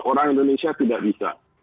orang indonesia tidak bisa